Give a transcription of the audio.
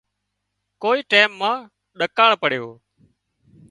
ڪوئي ٽيم مان ۮڪاۯ پڙيو